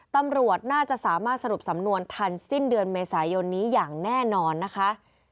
ตำรวจน่าจะสามารถสรุปสำนวนทันสิ้นเดือนเมษายนนี้อย่างแน่นอนนะคะ